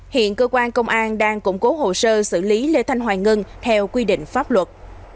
hiện cơ quan công an đang củng cố hồ sơ xử lý lê thanh hoài ngân theo quy định pháp luật